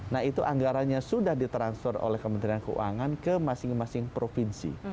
nah itu anggaranya sudah di transfer oleh kementerian keuangan ke masing masing provinsi